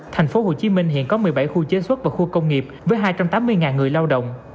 tp hcm hiện có một mươi bảy khu chế xuất và khu công nghiệp với hai trăm tám mươi người lao động